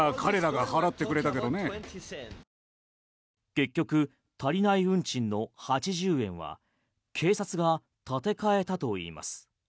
結局足りない運賃の８０円は警察が立て替えたといいます。